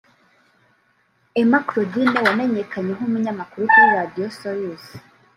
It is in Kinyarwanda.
Emma Claudine wamenyekanye nk’umunyamakuru kuri Radio Salus